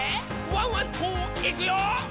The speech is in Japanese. ワンワンといくよ」